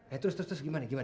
ya terus terus gimana gimana